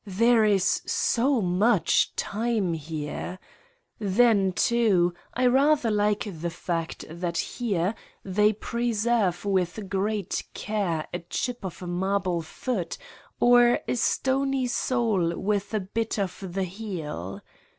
There is so much time here ! Then, too, I rather like the fact that here they preserve with great care a chip of a marble foot or a stony sole with a bit of the heel.